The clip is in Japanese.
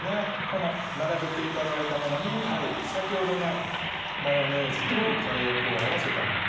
この並べて頂いたものに先ほどのマヨネーズとカレー粉を合わせたもの